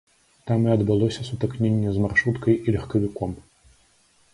Там і адбылося сутыкненне з маршруткай і легкавіком.